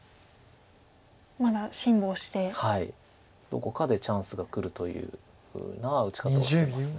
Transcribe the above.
どこかでチャンスがくるというふうな打ち方をしてます。